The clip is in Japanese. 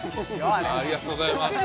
あれありがとうございます